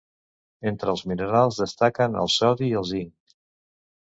Entre els minerals destaquen el sodi i el zinc